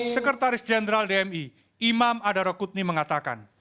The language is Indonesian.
sekretaris jenderal dmi imam adaro kutni mengatakan